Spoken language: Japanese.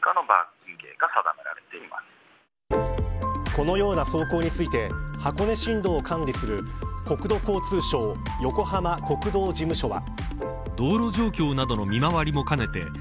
このような走行について箱根新道を管理する国土交通省横浜国道事務所は。